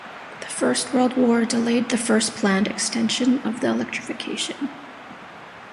The First World War delayed the first planned extension of the electrification.